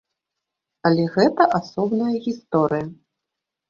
Але гэта асобная гісторыя.